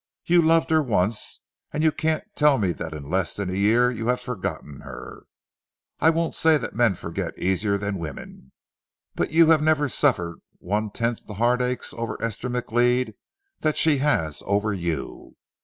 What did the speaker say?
You loved her once, and you can't tell me that in less than a year you have forgotten her. I won't say that men forget easier than women, but you have never suffered one tenth the heartaches over Esther McLeod that she has over you.